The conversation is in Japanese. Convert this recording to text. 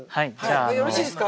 よろしいですか？